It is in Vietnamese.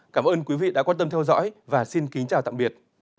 các quý vị đã quan tâm theo dõi và xin kính chào tạm biệt